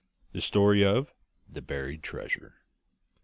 THE STORY OF THE BURIED TREASURE.